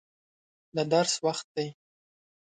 د درس وخت دی.